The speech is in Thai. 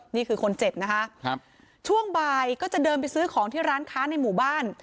นี่คือคนเจ็บนะคะครับช่วงบ่ายก็จะเดินไปซื้อของที่ร้านค้าในหมู่บ้าน